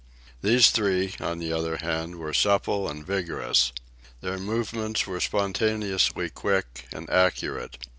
These three, on the other hand were supple and vigorous. Their movements were spontaneously quick and accurate.